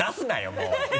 もう。